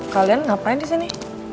kalian ngapain disini